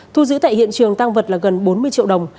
thu giữ tại hiện trường tăng vật là gần bốn mươi triệu đồng